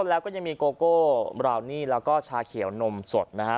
แล้วก็ยังมีโกโก้บราวนี่แล้วก็ชาเขียวนมสดนะฮะ